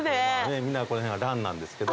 みんなこの辺は蘭なんですけど。